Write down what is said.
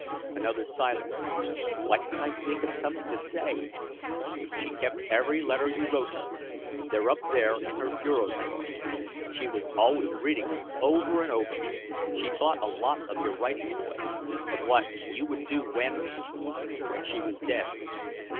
Another silence. Why couldn't I think of something to say? "She kept every letter you wrote her. They're up there in her bureau drawer. She was always reading 'em over and over. She thought a lot of your writing, boy of what you would do when when she was dead."